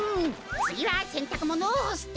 つぎはせんたくものをほすってか！